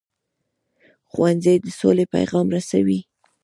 ښوونځی د سولې پیغام رسوي